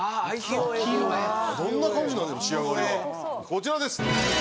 こちらです。